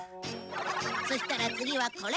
そしたら次はこれ！